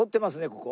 ここ。